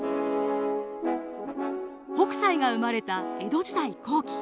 北斎が生まれた江戸時代後期。